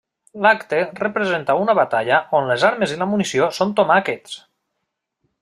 L'acte representa una batalla on les armes i la munició són tomàquets.